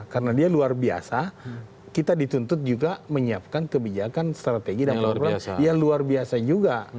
karena dia luar biasa kita dituntut juga menyiapkan kebijakan strategi dan program yang luar biasa juga